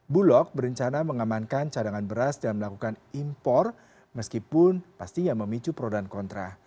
bulog berencana mengamankan cadangan beras dan melakukan impor meskipun pastinya memicu pro dan kontra